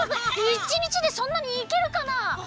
１にちでそんなにいけるかな？